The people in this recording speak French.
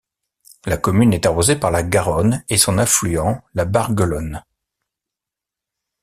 La commune est arrosée par la Garonne et son affluent la Barguelonne.